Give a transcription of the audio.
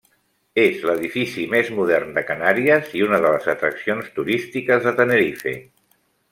És l'edifici més modern de Canàries i una de les atraccions turístiques de Tenerife.